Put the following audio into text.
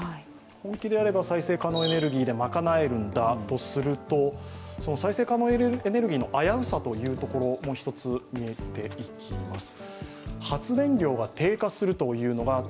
本気であれば再生可能エネルギーで賄えるんだとすると、再生可能エネルギーの危うさをもう一つ見ていきます。